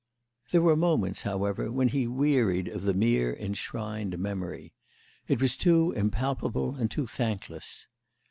There were moments, however, when he wearied of the mere enshrined memory—it was too impalpable and too thankless.